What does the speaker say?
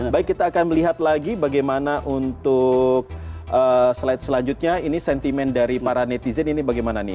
baik kita akan melihat lagi bagaimana untuk slide selanjutnya ini sentimen dari para netizen ini bagaimana nih